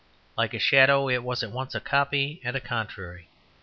Like a shadow, it was at once a copy and a contrary.